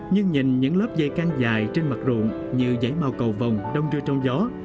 nhưng nhìn những lớp dây căng dài trên mặt ruộng như giấy màu cầu vồng đông đưa trong gió